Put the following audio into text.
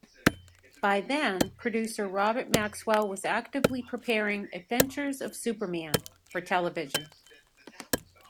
By then, producer Robert Maxwell was actively preparing "Adventures of Superman" for television.